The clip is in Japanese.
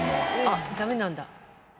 あっダメなんだ。